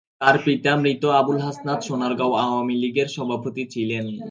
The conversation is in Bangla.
তার পিতা মৃত আবুল হাসনাত সোনারগাঁও আওয়ামী লীগের সভাপতি ছিলেন।